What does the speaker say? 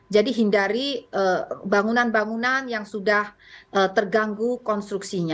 jadi hindari bangunan bangunan yang sudah terganggu konstruksinya